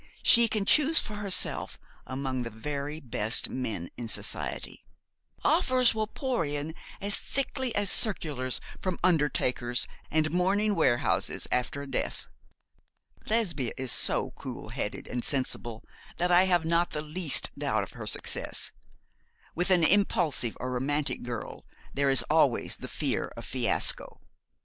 She can choose for herself among the very best men in society. Offers will pour in as thickly as circulars from undertakers and mourning warehouses after a death. 'Lesbia is so cool headed and sensible that I have not the least doubt of her success. With an impulsive or romantic girl there is always the fear of a fiasco.